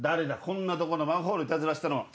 こんなとこのマンホールいたずらしたのは。